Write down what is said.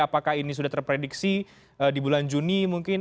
apakah ini sudah terprediksi di bulan juni mungkin